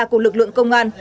của lực lượng công an